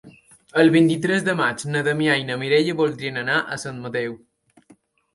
El vint-i-tres de maig na Damià i na Mireia voldrien anar a Sant Mateu.